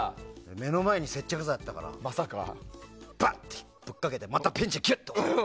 目の前に接着剤あったからバッと吹っかけてまたペンチでギュッと。